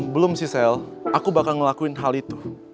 belum sih sale aku bakal ngelakuin hal itu